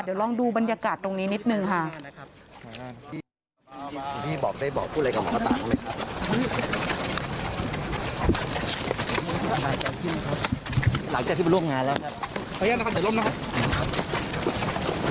เดี๋ยวลองดูบรรยากาศตรงนี้นิดหนึ่งค่ะขออนุญาตนะครับ